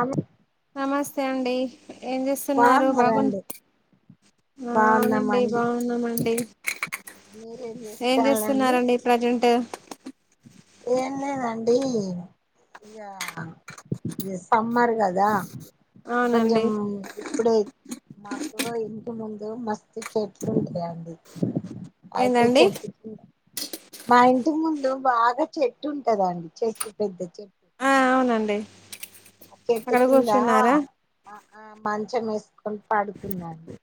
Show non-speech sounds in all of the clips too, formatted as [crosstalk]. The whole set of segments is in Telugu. అమ్ నమస్తే అండి ఏం చేస్తున్నారు బాగు బాగున్నారండి అవునండి బాగున్నామండి బాగున్నామండి మీరేం ఏం చేస్తాలండి చేస్తున్నండి ప్రజెంట్ ఏం లేదండి ఇక ఈ సమ్మర్ కదా అవునండి కొంచం ఇప్పుడే నాకు ఇంటి ముందు మస్తు చెట్లు ఉంటాయంండి అయితే ఏందండి చెప్ప మా ఇంటి ముందు బాగా చెట్టు ఉంటద అండి చెట్టు పెద్ద చెట్టు ఆ అవునండి చెట్టు అక్కడ కింద కూర్చున్నారా మ ఆ మచం ఎస్ ం పాడుకున్నాంను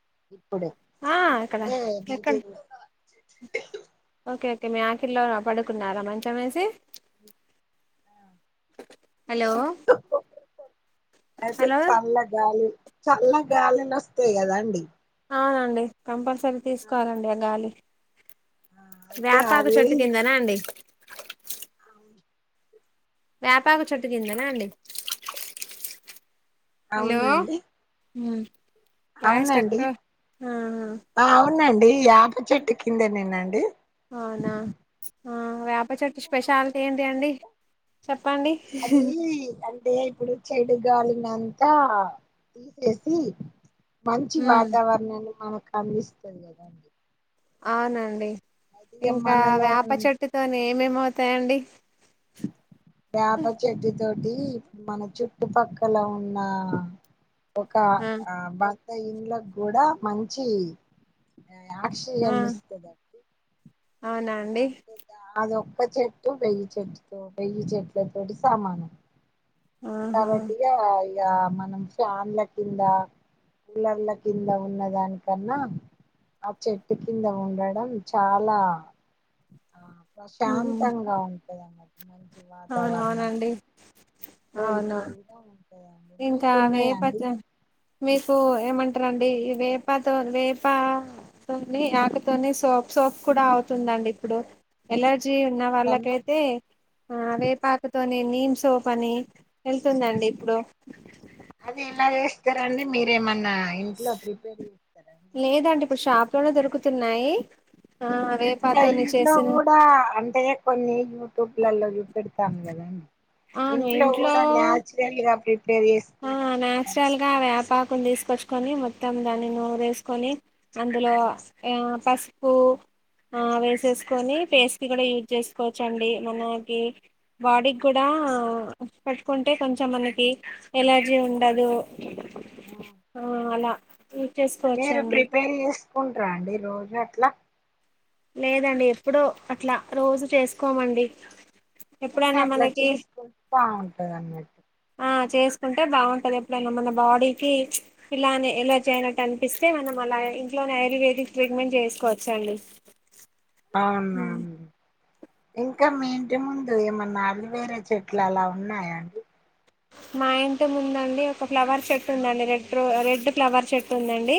ఆ ఇక్కడ ఏమో ఎక్కడ ఓకే ఓకే మీ ఆఖీలో పడుకున్నారా మంచం వేసి హలో అయితే హలో చల్ల గాలి చల్ల గాలి న వ తే కదండి అవునండి సంపత్ సరి తీసుకోవాలండి ఆ గాలి ఆ అయితే వ్యాపాక అది చేట్టు కిందనా అండి వ్యాపాక చేట్టు కిందనా అండి అవునండి ఉ వాయిస్ కాట్ గా నండి యాప చెట్టు కిందనేనండి అవునా ఆ వేప అవన్నీ చెట్టు కిందనే అండి స్పెషాలిటీ ఏంటి ఏమన్నా అండి చెట్లు చెప్పండి టే ఇప్పుడు చెడుగాలినంతా తీసేసి మంచి వాతావరణాన్ని మనక అందిస్తుంది అవునండి అయితే ఇక ఇంకా మనలో వేప చెట్టుతోనే ఏమవుతాయండి యప చెట్టితో ది మన చుట్టుపక్కల ఉన్న ఒక ఆ బ ఇండ్ల గూడా మంచి ఆక్సిజన్ ఇస్తుంది అవునండి అదో ఒక చెట్టు వెయ్యి వెయ్యి చెట్ల తోటి సామానం ఆహా కాబట్టి గ ఇకా మనం ఫ్యాన్ల కింద కూలర్ల కింద ఉన్న దానికన్నా ఆ చెట్టు కింద ఉండడం చాలా ఆ హ్మ్. శాంతంగా మంచి వాతావరణం అవునవునండి కూల్ అవును కూల్గా ఉంటాయండి ఇంకా వేప మీకు ఏమంటారండి ఈ వేపతో వేప తోని ఆకుతోని సోప్ సోప్ కూడా అవుతుందండి ఇప్పుడు ఎల ర్జీ అట్లన్నా ఉన్నవాళ్ళకయితే ఆ వేపాకుతోని నీమ్ సోప్ అని వెళ్తుందండి ఇప్పుడు అది ఎలా చేస్తారండి మీరేమన్నా ఇంట్లో ప్రిపేర్ చేస్తారండి లేదండి ఇప్పుడు షాపులోనే దొరుకుతున్నాయి ఆ ఇట్లా వేపాతోని ఇంట్లో చేసిన గూడా అంటే కొన్ని యూట్యూబ్లలో చూపెడతారు కదా ఆ ఇంట్లో గూడా నేచురల్గా ప్రిపేర్ ఇప్పుడు ఆ నాచురల్ గా వ్యాపాకు తీసు తీసుకొచ్చుకొని మొత్తం దాని నూరేసుకొని అందులో ఆ ఫస్ట్ పు వేసేసుకొని పేస్ట్ కూడా యూజ్ చేసుకోవచ్చండి మనకి బాడికి కూడా పేట్టుకుంటే కొంచెం మనకి ఎలర్జీ ఉండదు ఆ అలా యూజ్ మీరు చేసుకోవచ్చండి ప్రిపేర్ చేసుకుంటార అండి రోజు అట్ల లేదండి ఎప్పుడో అట్లా రోజు చేసుకోమండి ఎప్పుడైనా అట్లా మనకి చేసుకో బావుంటది అన్నట్టు ఆ చేసుకుంటే బాగుంటుంది ఎప్పుడైనా మన బాడీకి ఇలానె అలెర్జీ అయినట్టు అనిపిస్తే మనం అలా ఇంట్లోనే ఆయుర్వేదిక్ ట్రీట్మెంట్ చేసుకోవచ్చండి అవును అవును ఇంకా మీ ఇంటి ముందు ఏమన్నా అలోవేర చెట్లు అలా ఉన్నాయండి మా ఇంటిముందండి ఒక ఫ్లవర్ చెట్టు ఉందండి రెడ్ రె రెడ్ ఫ్లవర్ చెట్టు ఉందండి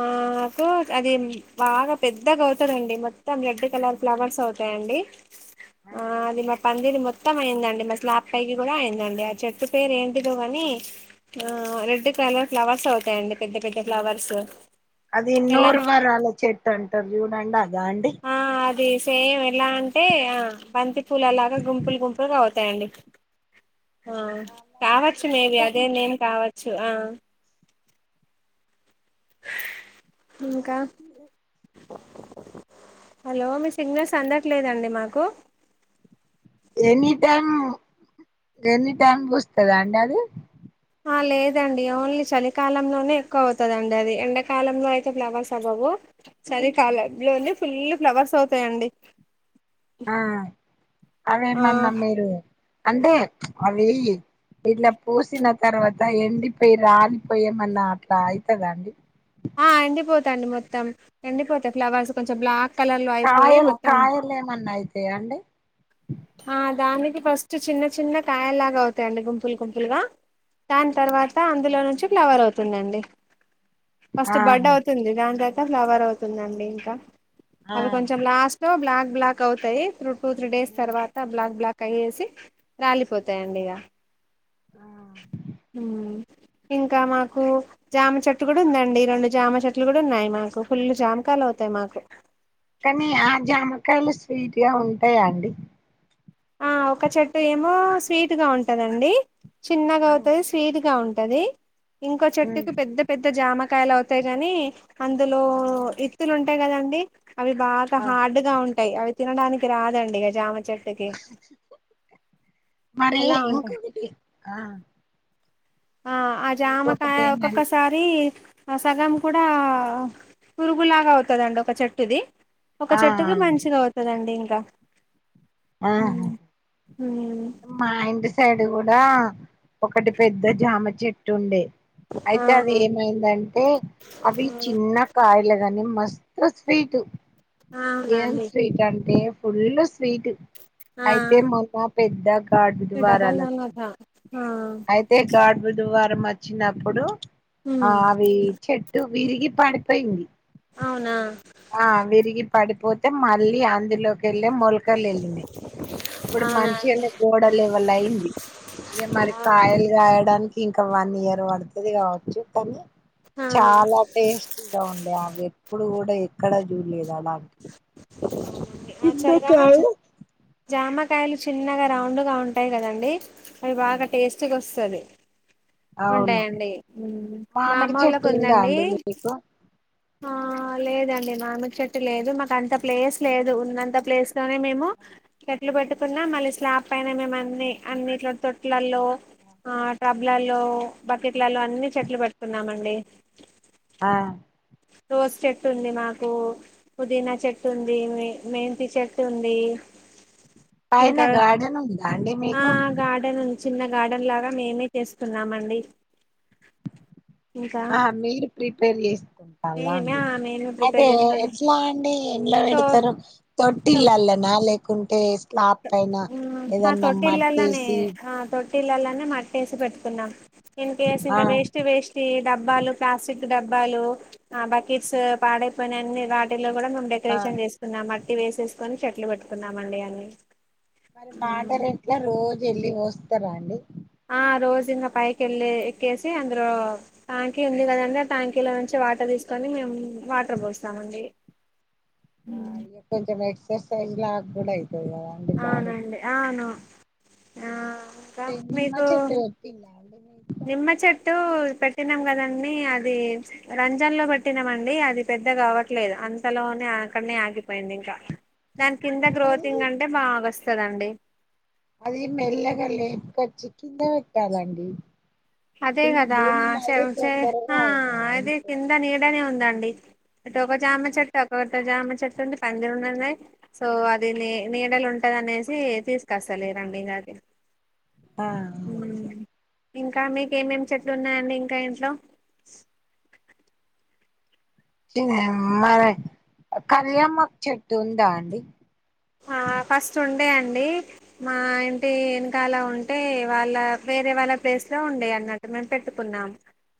మాకు అది బాగా పెద్దగా అవుతదండి మొత్తం రెడ్ కలర్ ఫ్లవర్స్ అవుతాయండి ఆ, ఆది మా పందిరి మొత్తం మొత్తం అయిందండి మస్లాబ్ పైకి కూడా అయిందండి చెట్టు పేరు ఏంటిదో కాని ఆ రెడ్ కలర్ ఫ్లవర్స్ అవుతాయండి పెద్ద పెద్ద ఫ్లవర్స్ అది ఎలా నూరు వరాల చెట్టు అంటరు చూడండి యాండీ ఆ అది సేమ్ ఎలా అంటే ఆ బంతి పూల లాగా గుంపులు గుంపులు కావచ్చు తండి ఆ మరి అది కావచ్చు ఎన్ని మేబి అదే నేమ్ టైమ్స్ కావచ్చు ఆ హస్ ఇంకా హలో మీ సిగ్నల్స్ అందట్లేదండి మాకు. ఎనీ టైమ్ ఎనీ టైమ్ పుస్తదా అండి అది. ఆ లేదండి ఓన్లీ చలికాలంలోనే ఎక్కువ అవుతందండి అది ఎండాకాలంలో అయితే ఫ్లవర్స్ అవ్వవు. చలికాలంలోనే ఫుల్ ఫ్లవర్స్ అవుతాయండి ఆ అవే ఆ మన్న మీరు అంటే అవి ఇట్లా పూసిన తర్వాత ఎండిపోయి రాలిపోయమన్నా అట్లా అయితద అండి. తండు మొత్తం ఎండిపోతే ఫ్లవర్స్ కొంచెం బ్లాక్. కలర్ లో అయిపోయి కాయలు మొత్తం కాయలు ఎమన్నా అయితే చేయండి ఆ దానికి ఫస్ట్ చిన్న చిన్న కాయలాగా అవుతాయండి గుంపులు గుంపులుగా. దాని తర్వాత అందులో నుంచి చె ప్లవర్ అవుతుందండి పస్ట్ ఆహా బర్డేఅవుతుంది రాన్ రాన్ ఎంత ఫ్లవర్ అవుతుందండి ఇంకా ఆ అది కొంచెం లాస్ బ్లాక్‌ బ్లాక్ అవుయి త్రూ టూ త్రీ. తర్వాత బ్లక్ బ్లక్ కయేసి రాలిపోతాయండి ఇక ఆ ఇంకా మాకు జామ చెట్టులు కూడా ఉందండి రెండు జామ చెట్లు కూడా ఉన్నాయి మాకు ఫుల్లు జామకాలు అవుతాయి మాకు. కనీ ఆ జమ కాయలు స్వీట్ గా ఉంటాయా అండి ఆ ఒక చెట్టు ఏమో స్వీట్ గా ఉంటందండి చిన్నగా అవుతుది స్వీట్గా ఉంటు. కదే ఇంకో ఉమ్ చెట్టుకు పెద్ద పెద్ద జామ కాయలు అవుతాయి కాని అంత. లో ఇ అంటే కదండి అవి బాగా ఆ హార్డ్గా ఉంటాయి అవి తినడానికి రాదండి చెట్టుకి మరి అలా ఉంటాయి ఇంకొకటి ఆ ఆ ఆ ఇంకొకటి జామకాయ ఏంటంటే ఒక్కొక్కసారి ఆ సగం కూడా పురుగులాగా అవుతదండి ఒక చెట్టుది ఒక ఆ చెట్టుకి మంచిగా అవుతుందండి దా ఆ ఉమ్ మా ఇంటి సైడ్ కూడా ఒకటి పెద్ద జామ చెట్టు ఉండే అయితే అది అవునా ఏమైందంటే అవి చిన్న కాయల కని మస్తు స్వీట్ ఆ ఏం అవునండి స్వీట్ అంటే ఫుల్లు స్వీట్ ఆ అయితే మ బాప్ పెద్ద గడ్పూ డబల్ దువారాలు లచ్చి నలభ ఆ అయితే గాడ్పు పు దువారం వచ్చినప్పుడు అ ఉమ్ అవి చెట్టు విరిగి పడు పెంది అవునా ఆ విరిగి పడిపోతే మళ్ళీ అందులోకి కెళ్ళే మొల్కల్ ఏళ్ళినై ఇప్పుడు అవునా అండి మంచిగానే గోడలు లెవల్ అయింది ఇగ మరి ఆ కాయలుగాయడు డానికి ఇంకా వన్ ఇయర్ పడుతుది కావచ్చు కానీ చాలా టేస్టీగా ఉండే అవి ఎప్పుడు కూడా ఎక్కడ జూలేదు లాలంటు చిన్న కాయ కాయలు చిన్నగా రౌండ్ గా ఉంటాయి కదండి అది బాగా టేస్ట్గా వస్తు తారే అవును ఉంటాయండి మా అమ్మ మామిడి వాళ్ళకి చెట్టు ఉందా ఉందండి అండి మీకు ఆ లేదండి మామి చెట్టు లేదు మాకు అంత ప్లేస్ లేదు ఉన్నంత ప్లేస్ తోనే మేము చెట్లు పెట్టుకున్నా మళ్ళీ స్లాప్ పైన మేము అన్ని అన్నిట్లో తొట్లలో ఆ ట్రబుల్లో బకెట్లలో అన్ని చెట్లు పెట్టుకున్నామండి ఆ రోస్ చెట్టు ఉంది మాకు పుదీనా చెట్టుంది మెంతి చెట్టు ఉంది పైన ఇంకా గార్డెన్ ఉందా అండి ఆ మీకు గార్డెన్ ఉంది చిన్న గార్డెన్ లాగా మేమే చేస్తున్నామండి ఆ మీరు ప ప్రిపేర్ చేస మేమే అలాంటి ఆ మేమే అయితే ప్రిపేర్ చేస్తాను ఎట్లా అండి ఎల్లా సో పెడతారు తొట్టిల్లాలన లేకుంటే స్లాప్ తొట్టల్లనే ఆ తో మట్టిలలోనే మట్టేసి పెట్టుకున్నాం ఇకేస్ ఆ ఇంకా వేస్ట్ వేస్ట్ డబ్బాలు ప్లాస్టిక్ డబ్బాలు ఆ బకెట్స్ పాడైపోయి అన్ని వాటి లో కూడా మేము ఆ డెకరేషన్ చేస్తున్నాం వేసేసుకొని చెట్లు పెట్టుకున్నామండి అని మరి వాటర్ ఎట్లా రోజు వెళ్ళి పోస్తారా అండి ఆ రోజు ఇంకా పైకి వెళ్ళి ఎక్కేసి అందులో ట్యాంకీ ఉంది కదండడి ఆ ట్యాంకీలో నుంచి వాటర్ తీసుకొని మేము వాటర్ పోస్తామండి ఆ [unintelligible] [unintelligible] అవునండి అవును ఆ ఇంకా అరే నిమ్ మీకు చెట్ [unintelligible] నిమ్మ చెట్టు పెట్టినాం కదండీ అది రంజన్లో పెట్టినం అండి అది పెద్ద కావట్లేదు అంతలోనే అక్కడనే ఆగిపోయింది ఇంకా దాని కింద మీరు గ్రోతింగ్ అంటే బాగొస్తుంది కదా అండి అది మెల్లగా లేపుకొచ్చి కింద పెట్టాలండి అదే కింద కదా భూమిలో అయితే [unintelligible] తొందరగా అదే కింద నీడనే ఉంద అండి ఇటు ఒక్క జామ చెట్టు అటుఒక్క జామ చెట్టు ఉంది పందిరు ఉన్నన్నా సో అది నీ నీడలు ఉంటది అనేసి తీసుకొస్తలేరురండి ఇకా అది ఆ ఇంకా ఇంకా మీకు ఏమేం చెట్లు ఉన్నాయండి ఇంకా ఇంట్లో మరి కర్రీయమ్మ చెట్టు ఉందా అండి ఆ ఫస్ట్ ఉండే అండి మా ఇంటి ఎనకాల ఉంటే వాళ్ల వేరే వాళ్ళ ప్లేస్ లో ఉండే అన్నట్టు మేము పెట్టుకున్నాం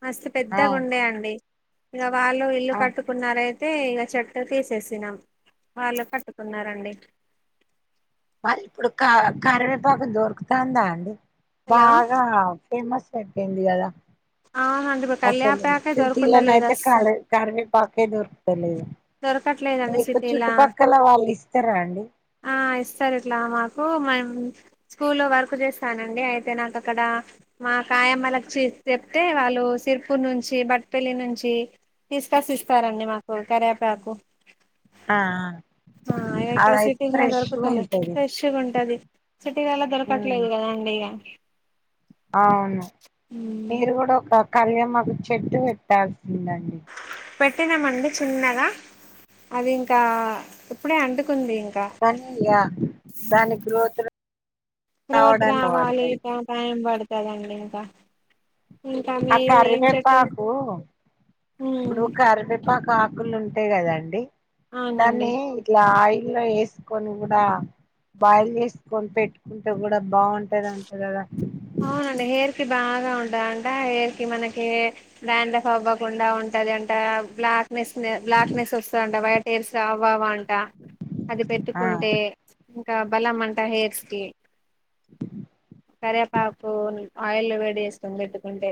మస్తు ఆ పెద్దగా ఉండేయండి ఇ వాళ్ళు ఇల్లు ఆ కట్టుకున్నారతే అతే ఇక చెట్టు తీసేసినాం వాళ్ళు కట్టుకున్నారండి మళ్ళీ ఇప్పుడు ఒక కరివేపాకు దొరకుతాందా అండి హలో బాగా ఫేమస్ అయిపోయింది కదా అవునండి ఇప్పుడు అసలు కల్యాపాకే సిటీ లైన్ దొరుకుతలేదు అయితే క అస్సలు కరివే పాకే దొరుకుతలేదు దొరకట్లేదండి మీకు సిటీల చుట్టుపక్కల వాళ్ళు ఇస్తారా అండి ఆ ఇస్తారు ఇట్లా మాకు మా అమ్మ స్కూల్లో వర్క్ చేస్తానండి అయితే నాకు అక్కడ మా కాయమ్మలకి చెప్తే వాళ్ళు సిర్పూర్ నుంచి బట్పల్లి నుంచి తీసు కట్స్ ఇస్తారండి మాకు కరివే పాకు ఆ ఆ ఇ ఇక్కడ అదయితే సిటీలో ఫ్రెష్ దొరుకుతులే ఉంటది ఫ్రెష్గా ఉంటంది సిటీగలో ఉమ్ దొరకట్లేదు కదాండి ఇక అవును మీరు కూడా ఒక కరివేమాకు చెట్టు పెట్టాల్సిందండి పెట్టినామండి చిన్నగా అది ఇంకా ఇప్పుడే అంటు ఉంది ఇంకా కానీ ఇగ దాని గ్రోత్ రోజ్ రావడానికి రావాలి వాడతది టైం పడుతు సరే అండి ఇంకా ఇంకా ఆ మీరు ఏం చెట్లు కరివేపాకు ఇప్పుడు కరివే పాకు ఆకులు ఉంటాయి కదండి అవునండి దాన్ని ఇట్లా ఆయి లా వేసుకని కూడా బాయిల్ చేసుకని పెట్టుకుంటే కూడా బాగుంటాది అంటా కదా అవునండి హెయిర్ కి బాగా ఉంటదంట హెయిర్ కి మనకి డ్యాండ్రఫ్ అవ్వకుండా ఉంటదట బ్లాక్నెస్ బ్లాక్నెస్ వస్తుందఅంటా వైట్ హెయిర్ రావవా అంట అది ఆ పెట్టుకుంటే ఇంకా బలం అంటా హెయిర్స్కి సరే ఆయిల్ లో వేడి చేసుకుని పెట్టుకుంటే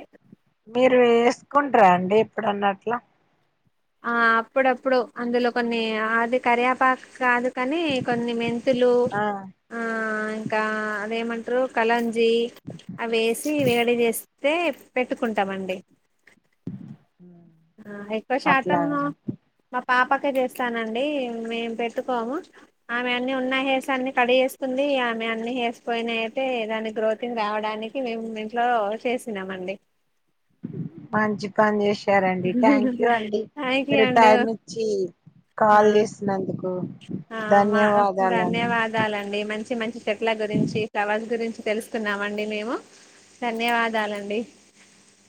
మీరు వేసుకుంటార అండి ఎప్పుడున్నట్లా ఆ అప్పుడప్పుడు అందులో కొన్ని అది కరియాపాకు కాదు కానీ కొన్ని మెంతులు ఆ ఆ ఇంకా అదేమంటరు కలంజీ అవి ఏసి వేడి చేస్తే పెట్టుకుంటామండి. [inaudible] ఆ ఎక్కువ శాతం అట్లాగా పాపకే చేస్తానండి మేం పెట్టుకోము ఆమె అన్నీ ఉన్న హెయిర్స్ అన్ని కట్ చేస్కుంది. ఆమె అన్ని హెయిర్స్ పోయినా అయితే దాని గ్రోతింగ్ రావడానికి మేం ఇంట్లో చేసినమండి. మంచి పని చేస్ థ్యాంక్ యూ అండి టైం ఇచ్చి హ కాల్ చేసినందుకు ఆ మా ధన్యవాదాలండి ధన్యవాదాలండి మంచి మంచి చెట్ల గురించి ఫ్లవర్స్ గురించి తెల్సుకున్నామండి మేము ధన్యవాదాలండి